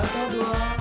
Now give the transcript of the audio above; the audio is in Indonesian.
udah gini gini gini